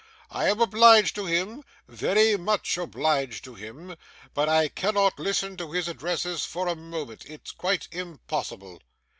I am obliged to him, very much obliged to him, but I cannot listen to his addresses for a moment. It's quite impossible.